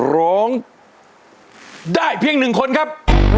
ร้องได้เพียง๑คนครับ